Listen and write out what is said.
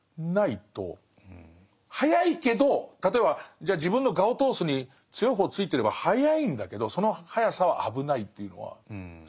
速いけど例えばじゃあ自分の我を通すのに強い方ついてれば速いんだけどその速さは危ないっていうのはすごく思うかしら。